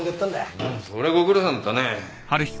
うんそれはご苦労さんだったね。